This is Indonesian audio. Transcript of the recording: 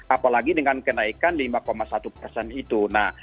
apalagi dengan kenaikan lima satu persen itu